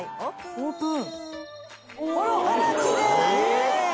オープン。